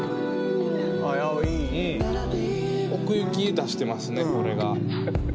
あいいいい！奥行き出してますねこれが。